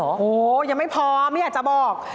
โอ้โหยังไม่พอไม่อยากจะบอก